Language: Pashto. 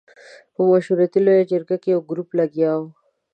په مشورتي لویه جرګه کې یو ګروپ لګیا وو.